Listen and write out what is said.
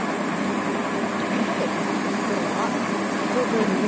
さて、きょうは節分です。